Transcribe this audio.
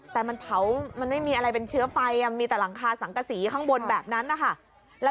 แต่มันเผามันไม่มีอะไรเป็นเชื้อไฟมีแต่หลังคาสังกษีข้างบนแบบนั้นนะคะ